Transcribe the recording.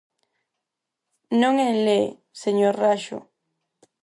Non enlee, señor Raxó.